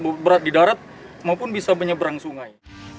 berat di darat maupun bisa menyeberang sungai